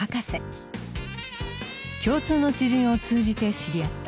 共通の知人を通じて知り合った。